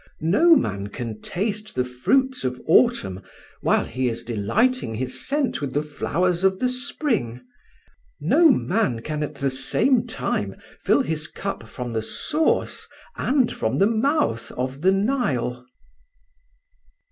No man can taste the fruits of autumn while he is delighting his scent with the flowers of the spring; no man can at the same time fill his cup from the source and from the mouth of the Nile."